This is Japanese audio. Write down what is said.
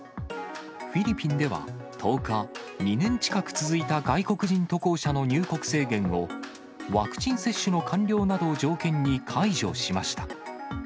フィリピンでは１０日、２年近く続いた外国人渡航者の入国制限を、ワクチン接種の完了などを条件に解除しました。